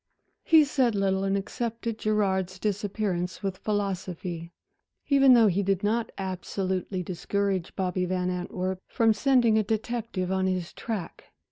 He said little and accepted Gerard's disappearance with philosophy, even though he did not absolutely discourage Bobby Van Antwerp from sending a detective on his track.